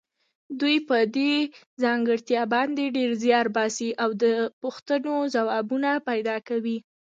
دوی په دې ځانګړتیا باندې ډېر زیار باسي او د پوښتنو ځوابونه پیدا کوي.